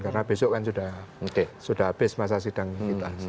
karena besok kan sudah habis masa sidang kita